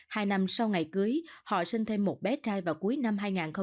hai năm sau ngày cưới họ sinh thêm một bé trai vào cuối năm hai nghìn hai mươi hai